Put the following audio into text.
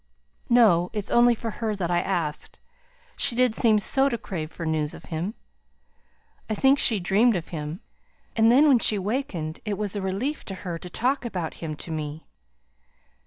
"No. It's only for her that I asked. She did seem so to crave for news of him. I think she dreamed of him; and then when she wakened it was a relief to her to talk about him to me.